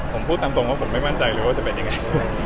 ผมพูดตามตรงว่าผมไม่มั่นใจเลยว่าจะเป็นยังไง